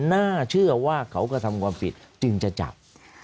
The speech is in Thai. น่าเชื่อว่าเขากระทำความผิดจึงจะจับ